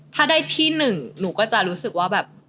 ถ้าได้ที่หนึ่งหนูก็จะรู้สึกว่าแบบ